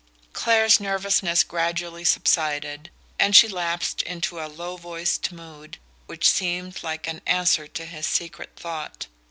Clare's nervousness gradually subsided, and she lapsed into a low voiced mood which seemed like an answer to his secret thought.